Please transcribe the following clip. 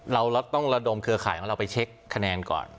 เราต้องระดมเครือข่ายของเราไปเช็คคะแนนก่อน